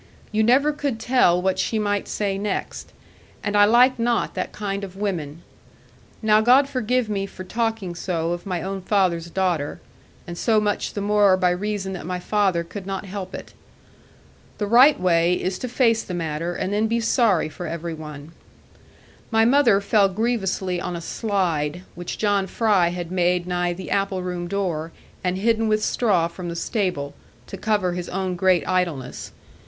You never could tell what she might say next; and I like not that kind of women. Now God forgive me for talking so of my own father's daughter, and so much the more by reason that my father could not help it. The right way is to face the matter, and then be sorry for every one. My mother fell grievously on a slide, which John Fry had made nigh the apple room door, and hidden with straw from the stable, to cover his own great idleness.